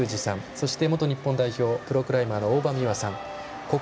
そして、元日本代表プロクライマーの大場美和さん